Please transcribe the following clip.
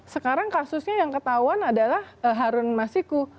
sekarang kasusnya yang ketahuan adalah harun masiku